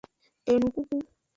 Enukuku.